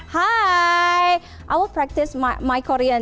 hai aku akan berlatih bahasa korea